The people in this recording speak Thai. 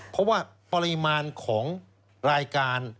เพราะว่าปริมาณของรายการ